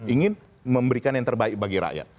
ingin memberikan yang terbaik bagi rakyat